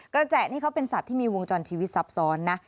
แจนี่เขาเป็นสัตว์ที่มีวงจรชีวิตซับซ้อนนะ